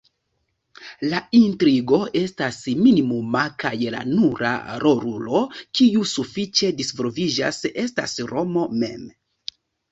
La intrigo estas minimuma, kaj la nura "rolulo" kiu sufiĉe disvolviĝas estas Romo mem.